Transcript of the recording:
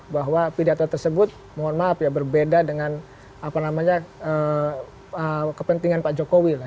bahwa pidato tersebut mohon maaf ya berbeda dengan kepentingan pak jokowi lah